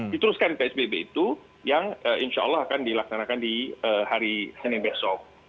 diteruskan psbb itu yang insya allah akan dilaksanakan di hari senin besok